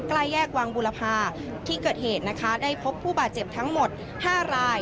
แยกวังบุรพาที่เกิดเหตุนะคะได้พบผู้บาดเจ็บทั้งหมด๕ราย